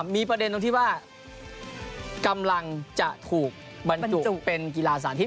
มีประเด็นตรงที่ว่ากำลังจะถูกบรรจุเป็นกีฬาสาธิต